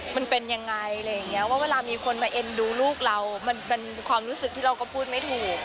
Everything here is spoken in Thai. มันเป็นยังไงอะไรอย่างเงี้ยว่าเวลามีคนมาเอ็นดูลูกเรามันเป็นความรู้สึกที่เราก็พูดไม่ถูก